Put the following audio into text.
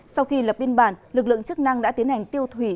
sau khi lập biên bản lực lượng chức năng đã tiến hành tiêu thủy